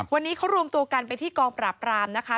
วันนี้เขารวมตัวกันไปที่กองปราบรามนะคะ